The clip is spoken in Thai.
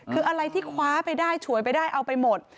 คืออะไรที่คว้าไปได้ฉวยไปได้เอาไปหมด